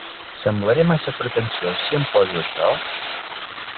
Semblaré massa pretensiós si em poso això?